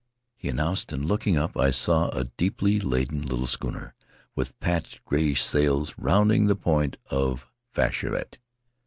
he announced and, looking up, I saw a deeply laden little schooner, with patched gray ish sails, rounding the point of Fareute.